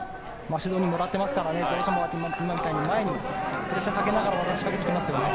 指導２をもらっていますからどうしても今みたいに前にプレッシャーをかけながら技を仕掛けてきますよね。